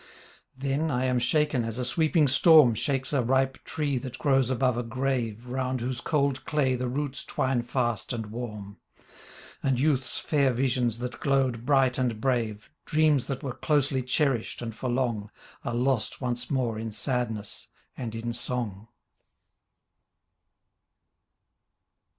. Then I am shaken as a sweeping storm Shakes a ripe tree that grows above a grave 'Round whose cold clay the roots twine fast and warm And Youth's fair visions that glowed bright and brave. Dreams that were closely cherished and for long. Are lost once more in sadness and in song.